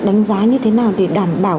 đánh giá như thế nào để đảm bảo